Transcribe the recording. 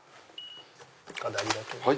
カードありがとうございます。